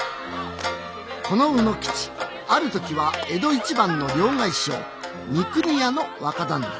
この卯之吉あるときは江戸一番の両替商三国屋の若旦那。